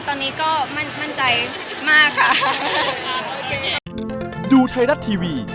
แต่หนูก็มั่นใจคนนี้ใช่หรือเปลี่ยน